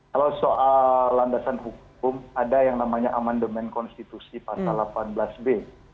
kalau soal landasan hukum ada yang namanya amandemen konstitusi pasal delapan belas b